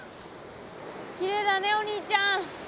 きれいだねお兄ちゃん。